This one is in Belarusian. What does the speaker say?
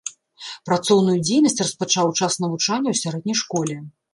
Працоўную дзейнасць распачаў у час навучання ў сярэдняй школе.